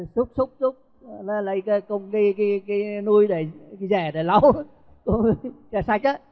xúc xúc xúc là lấy cái nui để dẻ để lau dẻ sạch á